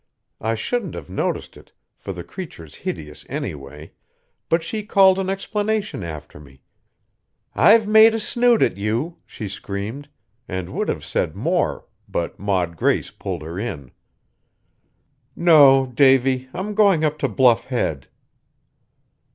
I shouldn't have noticed it, for the creature's hideous anyway, but she called an explanation after me; 'I've made a snoot at you!' she screamed, and would have said more, but Maud Grace pulled her in. No, Davy, I'm going up to Bluff Head."